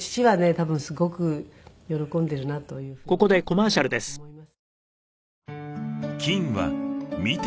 多分すごく喜んでいるなというふうに思います。